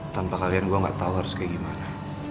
tanpa kalian gue gak tau harus kayak gimana